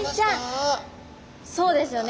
そうですよね